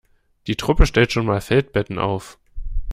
Die Truppe stellt schon mal Feldbetten auf.